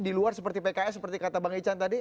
di luar seperti pks seperti kata bang ican tadi